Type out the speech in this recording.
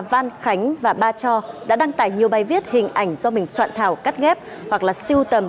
phan khánh và ba cho đã đăng tải nhiều bài viết hình ảnh do mình soạn thảo cắt ghép hoặc là siêu tầm